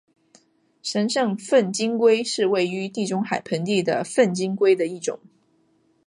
神圣粪金龟是位于地中海盆地的粪金龟的一种。